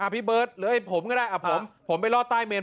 พี่เบิร์ตหรือไอ้ผมก็ได้ผมไปรอดใต้เมน